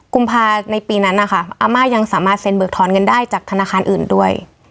กุมภาในปีนั้นนะคะอาม่ายังสามารถเซ็นเบิกทอนเงินได้จากธนาคารอื่นด้วย